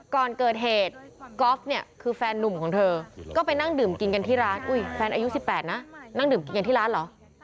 ก่อนเกิดเหตุกอล์ฟเนี่ยคือแฟนนุ่มของเธอก็ไปนั่งดื่มกินกันที่ร้านอุ้ยแฟนอายุ๑๘นะนั่งดื่มกินกันที่ร้านเหรอ